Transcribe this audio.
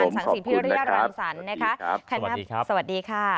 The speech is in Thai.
สวัสดีค่ะ